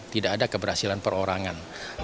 tidak ada keberhasilan perorangan